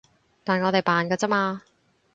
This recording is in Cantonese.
但我哋扮㗎咋嘛